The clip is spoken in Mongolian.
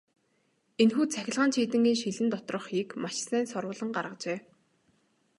Энэхүү цахилгаан чийдэнгийн шилэн доторх хийг маш сайн соруулан гаргажээ.